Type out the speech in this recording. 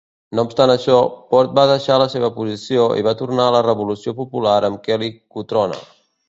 No obstant això, Port va deixar la seva posició i va tornar a la Revolució Popular amb Kelly Cutrone.